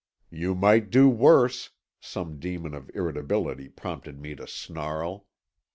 "You might do worse," some demon of irritability prompted me to snarl.